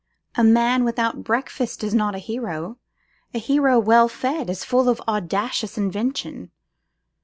A man without breakfast is not a hero; a hero well fed is full of audacious invention.